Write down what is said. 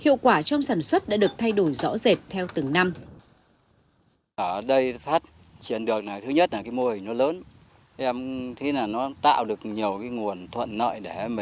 hiệu quả trong sản xuất đã được thay đổi rõ rệt theo từng năm